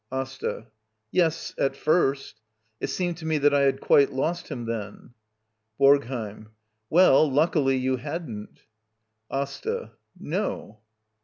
^AsTA. Yes, at first. It seemed to me that I had quite lost him then. BoRGHEiM. Well, luckily you hadn't. Asta. No.